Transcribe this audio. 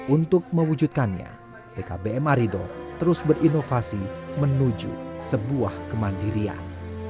untuk mewujudkannya pkbm arido terus berinovasi menuju sebuah kemandirian